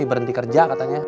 esy berhenti kerja katanya